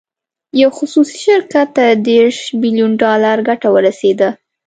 یو خصوصي شرکت ته دېرش بیلین ډالر ګټه ورسېده.